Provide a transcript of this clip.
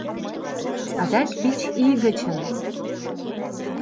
Адак вич ий гычын